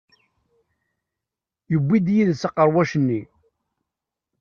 Yewwi-d yid-s aqerwac-nni.